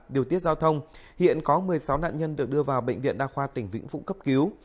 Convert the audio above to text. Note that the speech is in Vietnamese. điều tiết giao thông hiện có một mươi sáu nạn nhân được đưa vào bệnh viện đa khoa tỉnh vĩnh phúc cấp cứu